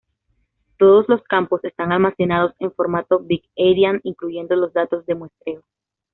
Todos los campos están almacenados en formato big-endian, incluyendo los datos de muestreo.